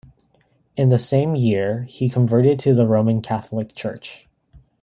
In the same year, he converted to the Roman Catholic Church.